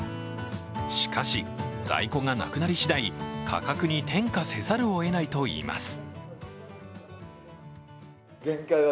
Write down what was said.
しかし、在庫がなくなりしだい、価格に転嫁せざるをえないといいます。